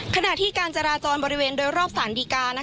ขณะที่การจราจรบริเวณโดยรอบสารดีกา